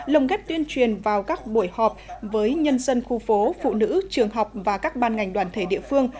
lồng ghép tuyên truyền vào các buổi họp với nhân dân khu phố phụ nữ trường học và các ban ngành đoàn thể địa phương